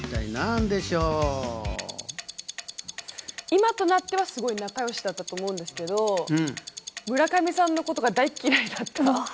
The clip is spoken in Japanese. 今となっては仲良しだったと思うんですけど、村上さんのことが大嫌いだった。